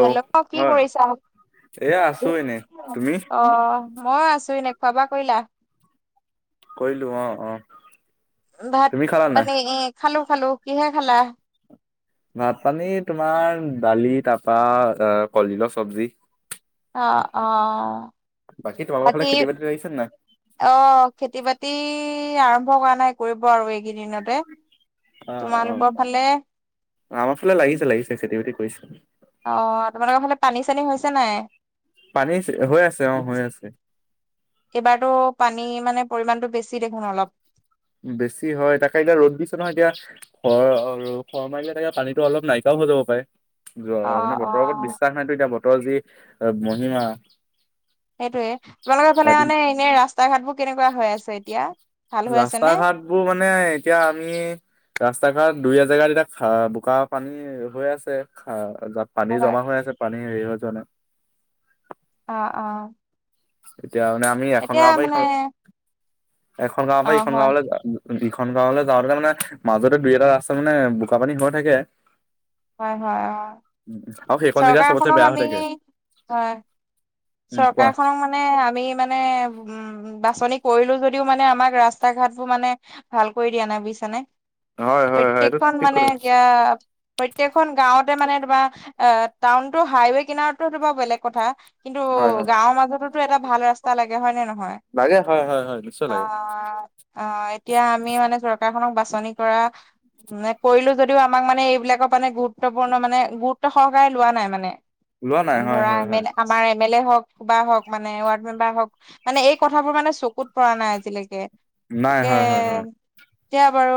Hello কি কৰিছা? এয়া আছো এনে [unintelligible] তুমি অ‍ঁ। মই আছো এনে। খোৱা বোৱা কৰিলা? কৰিলো অ, অ। ভাত, তুমি খালা নাই পানী খালোঁ খালোঁ। কিহে খালা? ভাত-পানী তোমাৰ দালি, তাৰপা এই কলিডিলৰ চবজি। অ, অঁ। বাকী তোমালোকৰ ফালে খেতি বাতি লাগিছে নে নাই? অ খেতি বাতি আৰম্ভ হোৱা নাই, কৰিব আৰু এইকেইদিনতে। অ অ তোমালোকৰ অ। ফালে আমাৰ ফালে লাগিছে লাগিছে খেতি বাতি কৰিছে। অ তোমালোকৰ ফালে পানী চানী হৈছে নাই? পানী হৈ আছে অ হৈ আছে। এইবাৰতো পানী মানে পৰিমাণতটো বেছি দেখোন অলপ। বেছি হয় তাকে এতিয়া ৰ'দ দিছে নহয় এতিয়া। খৰ আৰু, খৰ মাৰিলে তাকে পানীতটো অলপ নাইকাও হৈ যাব পাৰে। যোৱা অ মানে অ বতৰৰ ওপৰত বিশ্বাস নাইতো এতিয়া বতৰৰ যি মহিমা। সেইটোয়ে। তোমালোকৰ ফালে ৰাতি মানে এনে ৰাস্তা ঘাট বোৰ কেনেকুৱা হৈ আছে এতিয়া, ভাল হৈ আছে নে? বোৰ মানে এতিয়া আমি, ৰাস্তা-ঘাট, দুই এজেগাত এতিয়া খা বোকা পানী হৈ আছে খা পানী হয় জমা হৈ আছে, পানী হেৰি হৈ যোৱা নাই। অ অ। এতিয়া মানে আমি এখন এতিয়া গাঁৱৰ পৰা এখন, মানে এখন গাৱৰ অ', পৰা এইখন হয়, গাঁৱলৈ ইখন গাঁৱলৈ যাওঁতেতে মানে, মাজতে দুই এটা ৰাস্তা মানে বোকা পানী হৈ থাকে। হয় হয় অ। আৰু সেইখন জেগা চবতে চৰকাৰখনক বেয়া হৈ আমি থাকে হয়, উম কোৱা চৰকাৰখনক মানে আমি মানে উম, উম বাছনি কৰিলো যদিও মানে আমাক ৰাস্তা ঘাটবোৰ মানে, ভাল কৰি দিয়া নাই বুজিছা নে। হয় হয় হয় প্ৰত্যেক এইটো খন ঠিক মানে কথা এতিয়া প্ৰতেয়কখন গাঁৱতে মানে তোমাৰ টাউনতটো হাইৱে কিনাৰতো তোমাৰ বেলেগ কথা, কিন্তু হয় হয় গাঁৱৰ মাজতো এটা ভাল ৰাস্তা লাগে হয় নে নহয়। লাগে হয়। হয় হয় নিশ্চয় লাগে। অ', অ এতিয়া আমি মানে চৰকাৰখননক বাছনি কৰা মানে কৰিলো যদিও আমাক মানে এইবিলাক, মানে গুৰুত্বপূৰ্ণ মানে গুৰুত্ব সহকাৰে লোৱা নাই মানে লোৱা নাই হয় ধৰা হয় হয় আমাৰ এম এল এ হক ক বা হক মানে ৱাৰ্ড মেম্বাৰ হওক, মানে এই কথাবোৰ মানে চকুত পৰা নাই আজিলৈকে। নাই তাকে হয় হয় হয় এতিয়া বাৰু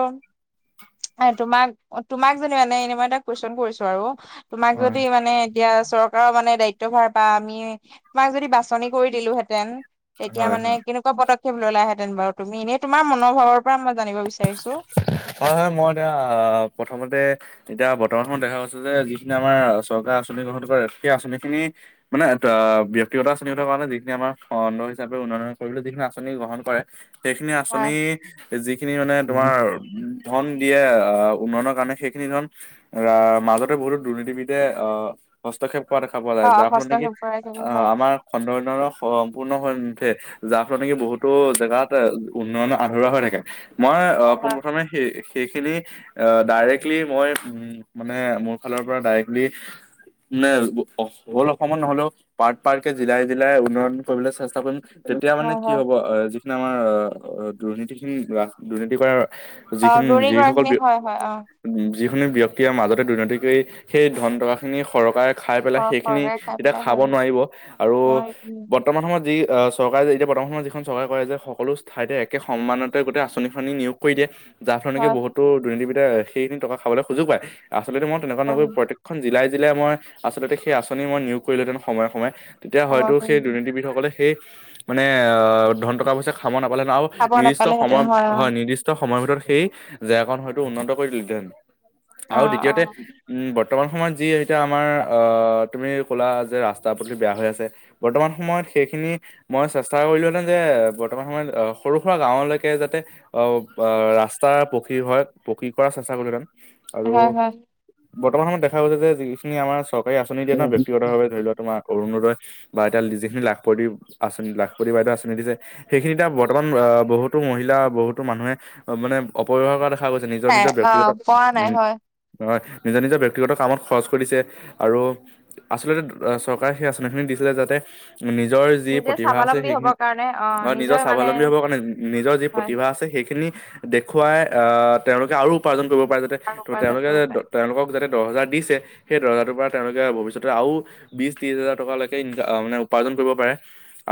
তোমাক তোমাক যদি মানে এনে মই এটা কুৱেশ্বন কৰিছো আৰু তোমাক হয় যদি মানে, এতিয়া চৰকাৰৰ মানে দায়িত্ব ভাৰ বা আমি তোমাক যদি বাছনি কৰি দিলোহেঁতেন। তেতিয়া হয় হয় মানে কেনেকুৱা পদক্ষেপ ললাহেতেন বাৰু তুমি এনেই তোমাৰ মনোভাৱৰ পৰা মই জানিব বিচাৰিছো। হয় হয় মই এতিয়া প্ৰথমতে, এতিয়া বৰ্তমান সময়ত দেখা গৈছে যে যিখিনি আমাৰ চৰকাৰে আঁচনি গ্ৰহণ কৰে সেই আঁচনি খিনি। মানে ব্যক্তিগত আঁচনি উঠাৰ কাৰণে যিখিনি আমাৰ খধ হিচাপে উন্নয়ন কৰিবলৈ যিখিনি আঁচনি গ্ৰহণ কৰে, সেইখিনি হয় আচনি যিখিনি মানে তোমাৰ উ ধন দিয়ে আহ উন্নয়নৰ কাৰণে সেইখিনি ধন, ৰা মাজতে বহুতো দুৰ্নীতিবিদে আহ, হস্তক্ষেপ কৰা দেখা পোৱা অ যায় যাৰ ফলত নেকি হস্তক্ষেপ কৰা হয় আহ হয় আমাৰ খন্দৰ সম্পূৰ্ণ হৈ উঠে, যাৰ ফলত নেকি বহুতো জেগাত উন্নয়ন আধৰুৱা হৈ থাকে মই অ হয় পোনপ্ৰথমে। সেই সেইখিনি ডাইৰেক্টলি মই মানে মোৰ ফালৰ পৰা ডাইৰেক্ট নে হ'ল অসমত নহলেও পাৰ্ক পাৰ্কে জিলাই জিলাই উন্নয়ন কৰিবলৈ চেষ্টা কৰিম। তেতিয়া মানে হয় কি হয় হ'ব আহ যিখিনি আমাৰ আহ দুৰ্নীতিখিনি দুৰ্নীতি কৰাৰ, অ যিখিনি দৌৰি যিসকল গৰাখিনি হয় হয় অ উ যিখিনি ব্যক্তিয়ে মাজতে দুৰ্নীতি কৰি সেই ধন টকা খিনি চৰকাৰে, খাই পেলাই সৰ সেইখিনি সৰকে খাই তেতিয়া পেলাই খাব হয় নোৱাৰিব আৰু নোৱাৰি। বৰ্তমান সময়ত যি চৰকাৰে যে এতিয়া সময়ত যিখন চৰকাৰে কয় যে সকলো ঠাইতে একে সমস্যা নতে গোটেই আঁচনি। নিয়োগ কৰি দিয়ে যাৰ ধৰণে হয়, বহুতো দুৰ্নীতিবিদটা সেইখিনি টকা খাবলৈ সুযোগ পায় আচলতে মই তেনেকুৱা নৈকি হয়, প্ৰতেয়কখন জিলাই জিলাই মই আচলতে সেই আঁচনি মই নিয়োগ কৰিলোহেঁতেন সময়ে সময়ে, তেতিয়া সময় হয়তো সেই দুৰ্নীতিবিদসকলে সেই মানে ধন টকা পইচা খাব নাপালে আৰু খাব নিৰ্দিষ্ট নাপালেহেঁতেন সময় হয় অ', হয় নিৰ্দিষ্ট সময়ৰ ভিতৰত সেই জেগাখন হয়তো উন্নত কৰি দিলেহেতেন অ', আৰু দ্বিতীয়তে অ', বৰ্তমান সময়ত যি এতিয়া তুমি ক'লা যে ৰাস্তা প্ৰদুলি বেয়া হৈ আছে। বৰ্তমান সময়ত সেইখিনি। মই চেষ্টা কৰিলো হেতে যে বৰ্তমান সময়ত সৰু সুৰা গাঁৱলৈকে যাতে আহ আহ ৰাস্তা পকী হয় পকী কৰাৰ চেষ্টা কৰিলোঁহেতেন আৰু হয়, হয়, বৰ্তমান সময়ত দেখা গাইছে যে যিখিনি আমাৰ চৰকাৰী আঁচনি দিয়ে ন ব্যক্তিগতভাৱে ধৰি লোৱা তোমাৰ অৰুণোদয়। বা এতিয়া যিখিনি লাখপতি আঁচনি লাখপতি বাইদেউ আচনি দিছে। সেইখিনি এ বৰ্তমান অ বহুতো মহিলা বহুতো মানুহে মানে অপব্যৱহাৰ কৰা দেখা গৈছে নিজৰ নাই নিজৰ ব্যাক্তিগত অ', পৰা নাই উম। হয়, হয় নিজৰ নিজৰ ব্যয়ক্তিগত কামত খৰচ কৰিছে আৰু আচলতে চৰকাৰে সেই আঁচনিখনি দিছিলে যাতে, নিজৰ যি নিজে প্ৰতিভা আছে স্বাৱলম্বী সেইখিনি হ'বৰ কাৰণে অ', আৰু নিজৰ মানে স্বাৱলম্বী হ'বৰ কাৰণে নিজৰ যি, হয়, প্ৰতিভা আছে সেইখিনি দেখুৱাই আহ তেওঁলোকে আৰু উপাৰ্জন কৰিব পাৰে যাতে। আৰু তো উপাৰ্জন তেওঁলোকে কৰিব পাৰি তেওঁলোকক যাতে দহ হজাৰ দিছে সেই দহহাজাৰৰ পৰা তেওঁলোকে ভৱিষ্যতে আৰু বিশ, ত্ৰিশ হাজাৰ টকালৈকে ইন মানে উপাৰ্জন কৰিব পাৰে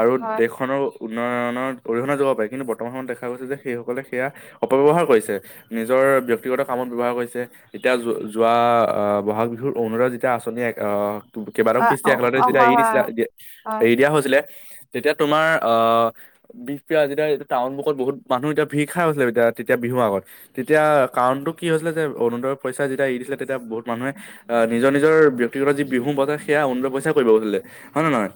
আৰু হয়, দেশখনৰ উন্নয়নত অৰিহণা যোগাব পাৰে কিন্তু বৰ্তমান সময়ত দেখা গৈছে যে সেইসকলে সেয়া অপব্যৱহাৰ কৰিছে নিজৰ ব্যক্তিগত কামত ব্যৱহাৰ কৰিছে এতিয়া যোৱা আহ বহাগ বিহুত অৰুণোদয় যেতিয়া আঁচনি এক আহ কেইবাটাও অ', কৃষ্টি অ, একেলগে যেতিয়া হয়, এৰি হয়, দিছিলা হয়। এৰি দিয়া হৈছিলে তেতিয়া তোমাৰ অহ বিষপ্ৰীয়া যেতিয়া এইটো টাউন মুখত বহুত মানুহ এতিয়া ভিৰ খাই গৈছিলে এতিয়া তেতিয়া বিহুৰ আগত তেতিয়া কাৰণটো কি হৈছিলে যে অৰুনোদয়ৰ পইচা যেতিয়া এৰি দিছিলে তেতিয়া বহুত মানুহে আহ নিজৰ নিজৰ ব্যক্তিগত যি বিহুৰ বজাৰ সেয়া অৰুণোদয়ৰ পইচাৰে কৰিব গৈছিলে হয় নে নহয়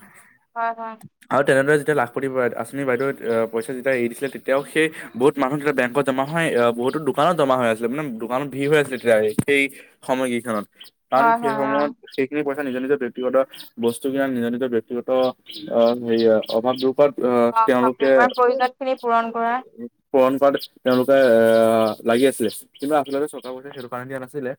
হয় হয় আৰু তেনেদৰে যেতিয়া লাখপতি বাই আচনি বাইদেউ অহ পইচা যেতিয়া এৰি দিছিলে তেতিয়াও সেই বহুত মানুহ তেতিয়া বেংকত জমা হয়, আহ বহুতো দোকানত জমা হৈ আছিলে মানে দোকানত ভিৰ হৈ আছিলে তেতিয়া সেই সময় কেইখনত কাৰন হয়, সেই হয়, সময়ত অ', সেইখিনি পইচা নিজৰ নিজৰ ব্যক্তিগত বস্তু কিনা নিজৰ নিজৰ ব্যক্তিগত অহ সেয়া অভাৱ দূৰকৰাত অহ অ', বাপৰে তেওঁলোকে তোমাৰ প্ৰয়োজন খিনি পূৰণ কৰা পূৰণ কৰাটো তেওঁলোকে আহ লাগি আছিলে। কিন্তু আচলতে চৰকাৰে সেইটো কাৰণে দিয়া নাছিলে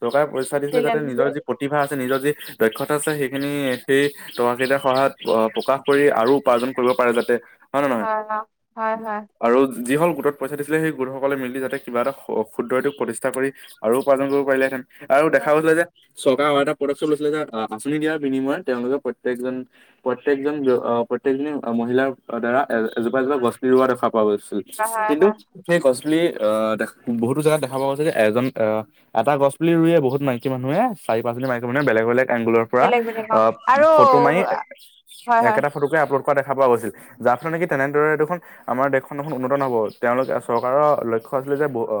চৰকাৰে পইচা দিছিলে যাতে চিলেঞ্জ নিজৰ হয়, যি প প্ৰতিভা আছে নিজৰ যি দক্ষতা আছে সেইখিনি সেই টকা কেইটাৰ সহায়ত আহ প্ৰকাশ কৰি আৰু উপাৰ্জন কৰিব পাৰে যাতে হয় নে নহ জানো হয় হয় আৰু যিসকল গোটত পইচা দিছিলে সেই গোটসকলে মিলি যাতে কিবা এটা খ ক্ষুদ্ৰউদ্যোগ প্ৰতিষ্ঠা কৰি আৰু উপাৰ্জন কৰিব পাৰিলেহেঁতেন আৰু দেখা গৈছিলে যে চৰকাৰে আৰু এটা প্ৰদক্ষেপ লৈছিলে যে আহ আঁচনি দিয়াৰ বিনিময়ত তেওঁলোকে প্ৰত্যেকজন প্ৰত্যেকজন অহ প্ৰত্যেকজনী মহিলাৰ দ্বাৰা এ এজোপা এজোপা গছপুলি ৰোৱা দেখা পোৱা গৈছিল হয়, হয়, কিন্তু হয়, সেই গছ পুলি আহ বহুতো জেগাত দেখা পোৱা গৈছে যে এজন আহ এটা গছপুলি ৰুৱে বহুত মইকী মানুহে চাৰি পাচজনী মাইকী মানুহে বেলেগ বেলেগ এংগুলৰ পৰা বেলেগ বেলেগ অ', অহ আৰু ফটো মাৰি হয়, হয়। একেটা ফটোকে আপলোড কৰা দেখা পোৱা গৈছিল। যাৰ ফলত নেকি তেনেদৰে দেখোন আমাৰ দেশ খন দেখোন উন্নত নহ'ব তেওঁলোকে চৰকাৰৰ লক্ষ্য আছিলে যে বহু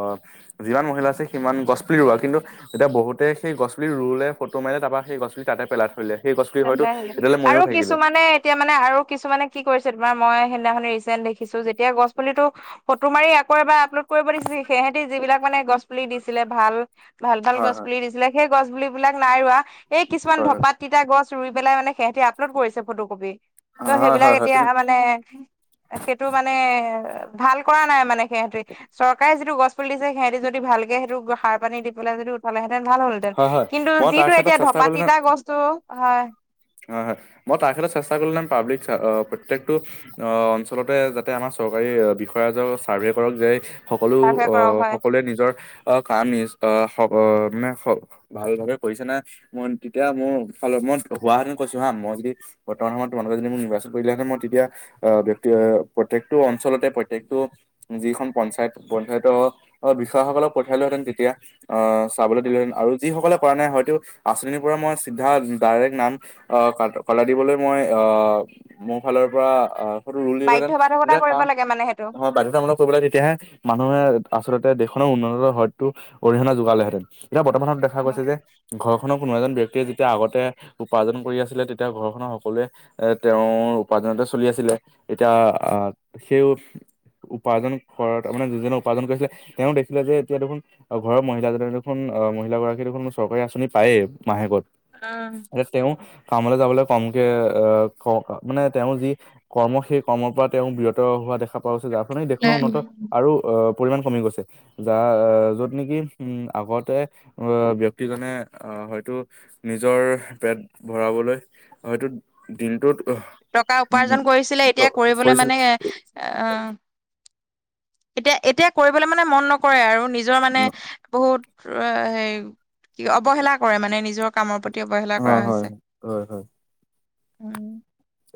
যিমান মহিলা আছে সিমান গছপুলি ৰুৱা কিন্তু এতিয়া বহুতে সেই গছপুলি ৰুলে, ফটো মাৰিলে তাৰ পৰা সেই গছপুলি তাতে পেলাই থৈ দিলে সেই গছপুলি হয়তো এতিয়ালৈ মৰিও থাকিলে তেতিয়া মানে আৰু কিছুমানে কি কৰিছে তোমাৰ মই সেইদিনাখনে ৰিচেণ্ট দেখিছো যেতিয়া গছ পুলিটো ফটো মাৰি আকৌ এবাৰ আপলোড কৰিব দিছিল সিহতি যিবিলাক মানে গছ পুলি দিছিলে ভাল ভাল ভাল হয় গছ হয় পুলি দিছিলে সেই গছ পুলি বিলাক নাই ৰোৱা এই কিছুমান হয় হয় ধপাত তিতা গছ ৰুই পেলাই মানে সিহতি আপলোড কৰিছে ফটো কপি। ত' হয় হয় সেইবিলাক হয় এতিয়া তুমি মানে সেইটো মানে ভাল কৰা নাই মানে সিহঁতে চৰকাৰে যিটো গছ পুলি দিছে সিহঁতি যদি ভালকে সেইটো সাৰ পানী দি পেলাই যদি হলে হেঁতেন ভাল হ'লহেতেন হয় হয় কিন্তু মই তাৰ যিটো ক্ষেত্ৰত এতিয়া চেষ্টা ধপাত কৰিলো তিতা গছটো হয় হয় হয় মই তাৰসৈতে চেষ্টা কৰি লম পাব্লিক প্ৰত্যেকটো আহ অঞ্চলতে যাতে আমাৰ চৰকাৰী বিষয়াজনক চাৰ্ভে কৰক যে সকলো চাৰ্ভে কৰক আহ হয় সকলোৱে নিজৰ আহ কাম নিজ আহ স মানে স ভাল ভাবে কৰিছে নাই মই তেতিয়া মোৰ ফালৰ মই হোৱাহেতেন কৈছো হা মই যদি বৰ্তমান সময়ত তোমালোকে যদি মোক নিৰ্বাচিত কৰিলেহে মই তেতিয়া অ, ব্যক্তি প্ৰত্যেকটো অঞ্চলতে, প্ৰত্যেকটো যিখন পঞ্চায়ত, পঞ্চায়ত বিষয়াসকলক পঠিয়ালোহেঁতেন তেতিয়া আহ চাবলৈ [inaudible] আৰু যি সকলে কৰা নাই হয়তো আঁচনিৰ পৰা মই চিধা ডাইৰেক্ট নাম আহ কা, কলা দিবলৈ মই আহ, মোৰ ফালৰ পৰা বাধ্য বাধকতা কৰিব আহ, লাগে মানে সেইটো। [inaudible] বাধ্যতামূলক। কৰিব তেতিয়াহে, মানুহে আচলতে দেশখনৰ উন্নয়নৰ হয়তো, অৰিহণা যোগালেহেতেঁন। এতিয়া বৰ্তমানত দেখা গৈছে যে, ঘৰ খনৰ কোনো এজন ব্যক্তিয়ে যেতিয়া আগতে উপাৰ্জন কৰি আছিলে, তেতিয়া ঘৰখনৰ সকলোৱে এ, তেওঁৰ উপাৰ্জনতে চলি আছিলে। এতিয়া আহ, সেই উপাৰ্জন কৰা, মানে যিজনে উপাৰ্জন কৰিছিলে, তেওঁ দেখিলে যে এতিয়া দেখোন ঘৰৰ মহিলাজনীয়ে দেখোন অ, মহিলাাগৰাকী দেখোন চৰকাৰী আঁচনি পায়েই মাহেকত। অ, এতিয়া তেওঁ কামলৈ যাবলৈ কমকে আহ, ক, মানে তেওঁৰ যি কৰ্ম সেই কৰ্মৰ পৰা তেওঁ বিৰত হোৱা দেখা পোৱা গৈছে, যাৰ ফলত সেই দেশখনৰ উন্নত আৰু অ, পৰিমাণ কমি গৈছে। যাৰ যত নেকি, উম, আগতে আহ ব্যক্তিজনে আহ, হয়তো নিজৰ পেট ভৰাবলৈ, হয়তো দিনটোত টকা উপাৰ্জন কৰিছিলে, এতিয়া কৰিবলৈ কৰিছিল মানে আহ এতিয়া, এতিয়া কৰিবলৈ মানে মন নকৰে আৰু নিজৰ মানে বহুত [inaudible] হেই, অৱহেলা কৰে মানে নিজক। কামৰ প্ৰতি অৱহেলা কৰা হয় হয় হৈছে, হয় হয়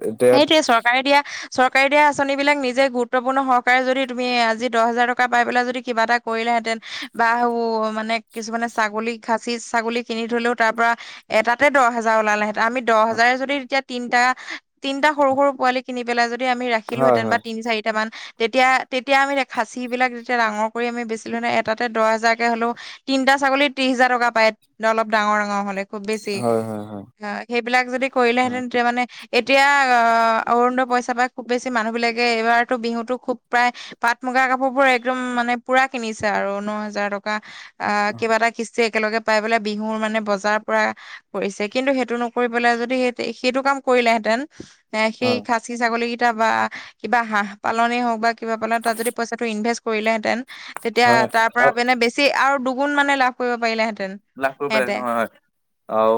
এতিয়া সেইটোৱে চৰ চৰকাৰে দিয়া, চৰকাৰে দিয়া আঁচনি বিলাক নিজে গুৰুপূৰ্ণত্ব সহকাৰে যদি তুমি আজি দহহেজাৰ টকা পাই পিলাই যদি কিবা এটা কৰিলেহেঁতেন বা ও, মানে কিছুমানে ছাগলী খাচি, ছাগলী কিনি থলেও তাৰ পৰা এটাতে দহ হাজাৰ ওলালেহেঁতেন। আমি দহ হাজাৰে যদি তেতিয়া তিনটা, তিনটা সৰু সৰু পোৱালি কিনি পেলাই যদি আমি ৰাখি হয় ৰাখিলোহেঁতেন বা হয় তিনি-চাৰিটা মান তেতিয়া তেতিয়া আমি খাচিবিলাক যেতিয়া ডাঙৰ কৰি আমি বেছিলো, এটাতে দহ হাজাৰকৈ হ'লেও তিনিটা ছাগলীৰ ত্ৰিশ হেজাৰ টকা পায়, অলপ ডাঙৰ ডাঙৰ হ'লে। খুব বেছি হয় হয় হয় অ, সেইবিলাক যদি কৰিলেহেঁতেন তেতিয়া মানে এতিয়া আহ, অৰূণোদয় পইচা পায় খুব বেছি মানুহবিলাকে, এইবাৰতো বিহুতো খুব প্ৰায় পাট মুগা কাপোৰ বোৰ একদম মানে পুৰা কিনিছে আৰু ন হেজাৰ টকা আহ, কিবা এটা কিচ যে একেলগে পাই পেলাই, বিহুৰ মানে বজাৰৰ পৰা কৰিছে, কিন্তু সেইটো নকৰি পালে যদি সেই সেইটো কাম কৰিলেহেঁতেন এই, সেই হয় খাচী ছাগলী কেইটা বা কিবা হাঁহ পালনে হওঁক বা কিবা পালে তাত যদি পইচাটো ইনভেষ্ট কৰিলেহেঁতেন, তেতিয়া হয় তাৰ পৰা হয় মানে বেছি ছি, আৰু দুগুণ মানে লাভ কৰিব পাৰিলেহেঁতেন। লাভ কৰিব পাৰিলেহেঁতেন হয়, হয়, আৰু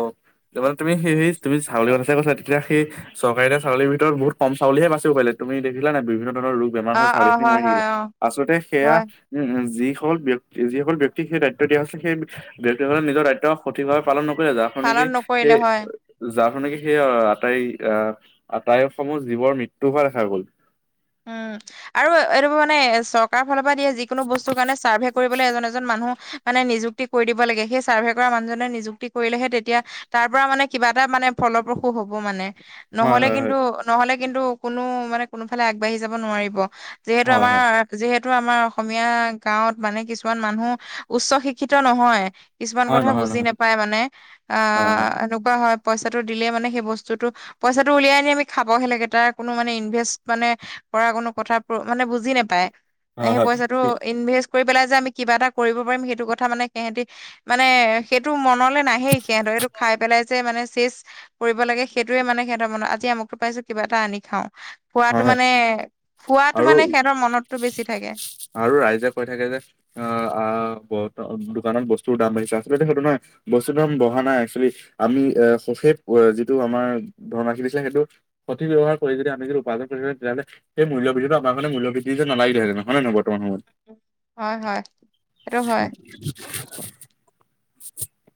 এবাৰ তুমি সিহঁতে হেৰি হেৰি তুমি ছাগলী কথা যে কৈছিলা তেতিয়া সেই চৰকাৰে দিয়া, ছাগলী ভিতৰত বহুত কম ছাগলীহে বাচিব পাৰিলে, তুমি দেখিলা নে নাই বিভিন্ন ধৰণৰ ৰূপ। বেমাৰ হৈ অ', অ', ছাগলীখিনি হয়, মৰি হয়, থাকিলে, অ', আচলতে সেয়া হয়, উম, উম, যিসকল ব্যক্তিক, যিসকল ব্যক্তিক সেই দায়িত্ব দিয়া হৈছে সেই ব্যক্তিসকলে নিজৰ দায়িত্ব সঠিকভাৱে পালন নকৰিলে যাৰ, [inaudible] পালন নকৰিলে হয়। সেই যাৰ কাৰণে সেই আৰু আটাইয়ে অ, আটাইয়ে অসমৰে জীৱন-মৃত্যু হোৱা দেখা গ'ল। উম, আৰু এইবোৰ মানে চৰকাৰ ফালৰ পৰা দিয়া যিকোনো বস্তু কাৰণে ছাৰ্ভে কৰিবলৈ এজন এজন মানুহ মানে নিযুক্তি কৰি দিব লাগে, সেই ছাৰ্ভে কৰা মানুহজনে নিযুক্তি কৰিলে সেই তেতিয়া তাৰ পৰা মানে কিবা এটা মানে ফলো প্ৰখু হ'ব মানে। হয় নহ'লে হয় হয় কিন্তু, নহ'লে কিন্তু কোনো মানে কোনোফালে আগ বাঢ়ি যাব নোৱাৰিব যিহেতু হয় হয় আমাৰ। যিহেতু আমাৰ অসমীয়া গাঁৱত মানে কিছুমান মানুহ উচ্চ শিক্ষিত নহয়। কিছুমান হয় কথা নহয় বুজি নহয় নাপায় মানে হয় হয় অ', এনেকুৱা হয়। পইচাটো দিলে মানে সেই বস্তুটো পইচাটো ওলাই আনি আমাক খাব হয় লাগে, তাৰ কোনো মানে ইনভেষ্ট মানে কৰা কোনো কথাবোৰ মানে বুজি নাপায় সেই হয় পইচাটো হয় ইনভেষ্ট কৰি পেলাই যে আমি কিবা এটা কৰিব পাৰিম সেইটো কথা মানে সেইহঁতে মানে সেইটো মনলৈ নাহে সেইহঁতৰ, সেইটো খাই পেলাই যে মানে শেষ। কৰিব লাগে সেইটোৱে মানে সেইহঁতৰ মনৰ আজি অমুকটো পাইছোঁ, কিবা এটা আনি খাওঁ। খোৱাটো হয় হয় মানে ফুৱাটো আৰু মানে ইহঁতৰ মনতটো বেছি থাকে। আৰু ৰাইজে কৈ থাকে যে অ' অ' দোকানত বস্তু দাম বাঢ়িছে, আচলতে সেইটো নহয়। বস্তুৰ দাম বঢ়া নাই, এক্সুৱেলী আমি এই শ্বপে যিটো আমাৰ ধন ৰাখি আছিলে সেইটো। সঠিক ব্যৱহাৰ কৰি যদি আমি উপাৰ্জন কৰি তেতিয়াহ'লে সেই মূল্য বৃদ্ধি আমাৰ কাৰণে মূল্য বৃদ্ধি নালাগিলে হেতেন হয় নে নহয়? বৰ্তমান হয়, হয়। সেইটো হয়। সময়ত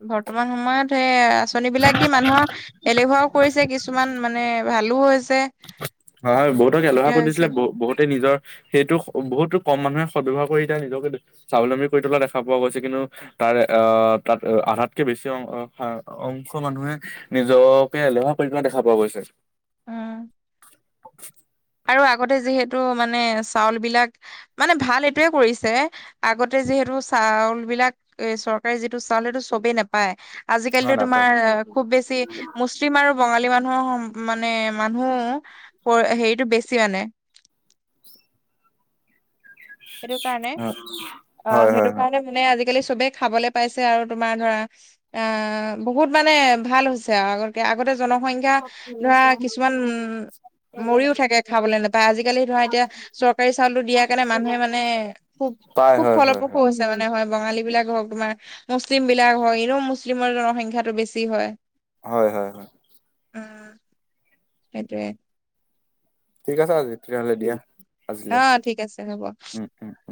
বৰ্তমান সময়ত সেই আঁচনিবিলাক দি মানুহক এলেহুৱা ও কৰিছে কিছুমান উম, মানে ভালো হৈছে। হয়, বহুতকে এলেহুৱা দিগদাৰ কৰি হৈছে দিছে, বো বহুতে নিজৰ। সেইটো বহুত কম মানুহে সদ্ব্যৱহাৰ কৰি এতিয়া নিজৰ স্বাৱলম্বী কৰি থকা দেখা পোৱা গৈছে কিন্তু তাৰে অ', তাত আধাতকৈ বেছি সংখ্যক মানুহে নিজকে এলেহুৱা কৰি পেলোৱা দেখা পোৱা গৈছে। উম, আৰু আগতে যিহেতু মানে চাউলবিলাক মানে ভাল, সেইটোৱে কৰিছে। আগতে যিহেতু চাউলবিলাক চৰকাৰে যিটো চাউল সেইটো সবে নাপায়। হয় আজিকালিতো নাই তোমাৰ খুব বেছি। মুছলিম আৰু বঙালী মানুহৰ মানে মানুহ সেইটো বেছি মানে। [unintelligible] সেইটো কাৰণে হয় অ', হয় হয় সেইটো হয় কাৰণে মানে আজিকালি সবে খাবলৈ পাইছে আৰু তোমাৰ ধৰা অ', বহুত মানে ভাল হৈছে আৰু আগতকৈ জনসংখ্যা [unintelligible] ধৰা কিছুমান মৰি ও থাকে খাবলৈ নাপায় আজিকালি ধৰা এতিয়া চৰকাৰী চাউলটো দিয়া কাৰণে মানুহ মানে মানে খুব পাই খুব হয় হয় হয় ফালপ্ৰসূ হৈছে মানে হয়, বঙালীবিলাক হওক তোমাৰ মুছলিমবিলাক হয়, এনেও মুছলিমৰ সংখ্যাটো বেছি হয়। হয়, হয়, হয়। উম, সেইটোৱে। ঠিক আছে আজি তেতিয়াহলে। দিয়া আজিলে অ' ঠিক আছে, হ'ব। উম উম উম